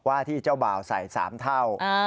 ว่าที่เจ้าบ่าวใส่๓เท่า